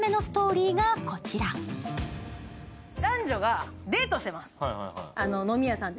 男女がデートしてます、飲み屋さんで。